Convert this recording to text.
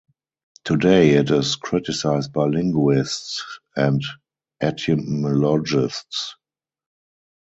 Today it is criticized by linguists and etymologists.